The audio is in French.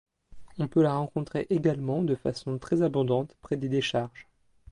On peut la rencontrer également de façon très abondante près des décharges.